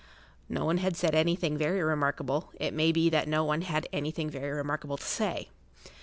No one had said anything very[Pg 4] remarkable; it may be that no one had anything very remarkable to say.